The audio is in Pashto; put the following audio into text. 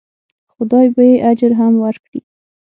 خدای به یې اجر هم ورکړي.